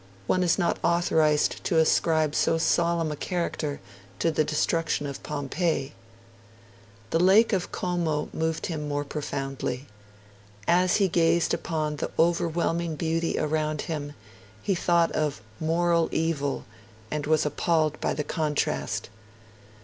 One is not authorised to ascribe so solemn a character to the destruction of Pompeii.' The lake of Como moved him more profoundly. As he gazed upon the overwhelming beauty around him, he thought of 'moral evil', and was appalled by the contrast.